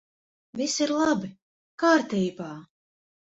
Viss ir labi! Kārtībā!